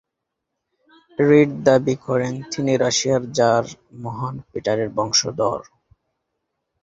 Read দাবী করেন তিনি রাশিয়ার জার মহান পিটারের বংশধর।